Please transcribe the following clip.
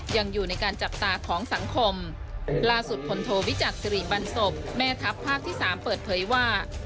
ยังอยู่ในการจับตาของสังคมล่าสุดพลโทวิจักษิริบันศพแม่ทัพภาคที่สามเปิดเผยว่า